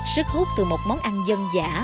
sức hút từ một món ăn dân giả